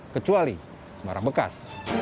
kecuali barang bekas